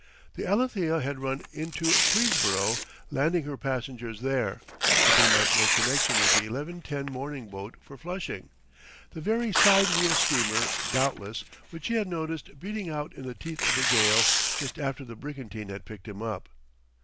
The Alethea had run in to Queensborough, landing her passengers there, that they might make connection with the eleven ten morning boat for Flushing, the very side wheel steamer, doubtless, which he had noticed beating out in the teeth of the gale just after the brigantine had picked him up.